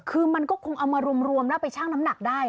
คือมันก็คงเอามารวมแล้วไปชั่งน้ำหนักได้